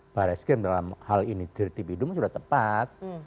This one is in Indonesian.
mbak reskrim dalam hal ini tertibidum sudah tepat